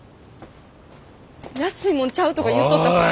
「安いもんちゃう」とか言っとったし。